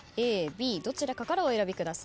ＡＢどちらかからお選びください。